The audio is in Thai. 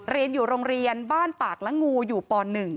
เรียนอยู่โรงเรียนบ้านปากละงูอยู่ป๑